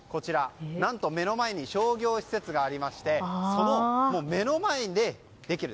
何と、目の前に商業施設がありまして目の前でできる。